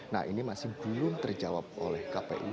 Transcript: nah ini masih belum terjawab oleh kpu